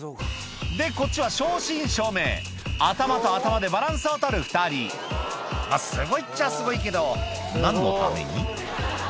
でこっちは正真正銘頭と頭でバランスを取る２人すごいっちゃすごいけど何のために？